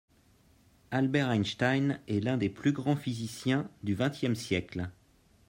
Albert Einstein est l'un des plus grands physiciens du vingtième siècle.